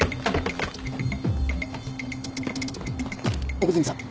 奥泉さん